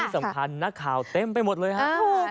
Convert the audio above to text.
สำคัญนักข่าวเต็มไปหมดเลยครับ